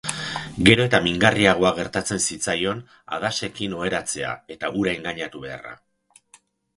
Gero eta mingarriagoa gertatzen zitzaion Hadassekin oheratzea eta hura engainatu beharra.